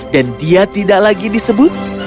dan dia tidak lagi disebut pangeran keledai